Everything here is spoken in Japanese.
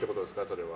それは。